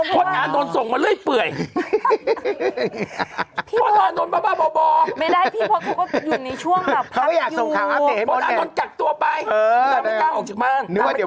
พ่ออานนท์โดนส่งมาเลยเปื่อย